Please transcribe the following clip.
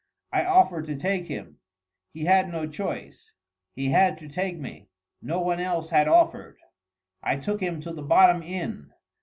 I offered to take him. He had no choice. He had to take me. No one else had offered. I took him to the Bottom Inn.